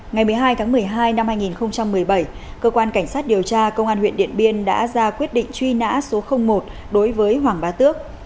ngày một mươi hai tháng một mươi hai năm hai nghìn một mươi bảy cơ quan cảnh sát điều tra công an huyện điện biên đã ra quyết định truy nã số một đối với hoàng bá tước